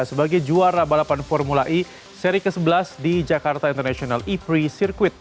sebagai juara balapan formula e seri ke sebelas di jakarta international e prix circuit